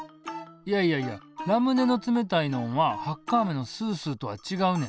いやいやいやラムネの冷たいのんはハッカあめのスースーとはちがうねん。